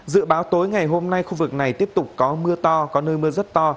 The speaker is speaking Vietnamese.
dự báo tối ngày hôm nay khu vực này tiếp tục có mưa to có nơi mưa rất to